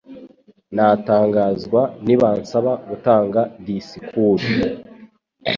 Natangazwa nibansaba gutanga disikuru.